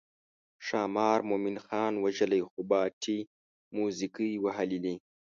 ښامار مومن خان وژلی خو باټې موزیګي وهلي دي.